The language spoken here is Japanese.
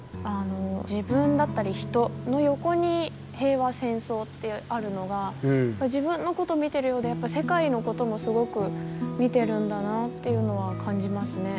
自分だったり人の横に「平和、戦争」ってあるのが自分のこと見てるようで世界のこともすごく見てるんだなっていうのは感じますね。